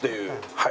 はい。